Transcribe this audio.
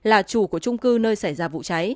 là chủ của trung cư nơi xảy ra vụ cháy